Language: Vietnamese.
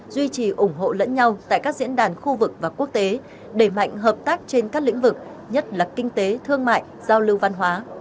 duy trì ủng hộ lẫn nhau tại các diễn đàn khu vực và quốc tế đẩy mạnh hợp tác trên các lĩnh vực nhất là kinh tế thương mại giao lưu văn hóa